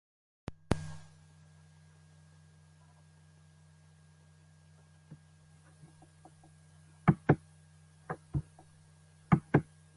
Lamas has been conquered twice.